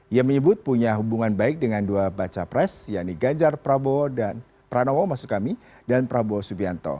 ia menyebut punya hubungan baik dengan dua baca pres yaitu ganjar pranowo dan prabowo subianto